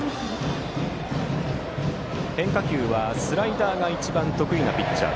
変化球はスライダーが一番得意なピッチャー。